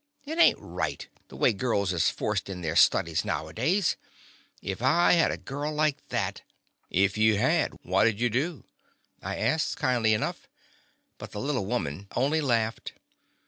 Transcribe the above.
It ain't right, the way girls is forced in their studies nowadays. If I had a girl like that —" "If you had, what 'd you do?' I asks, kindly enough, but the little woman only laughed.